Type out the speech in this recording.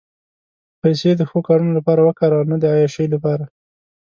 پېسې د ښو کارونو لپاره وکاروه، نه د عیاشۍ لپاره.